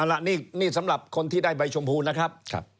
เอาล่ะนี่สำหรับคนที่ได้ใบชมพูนะครับ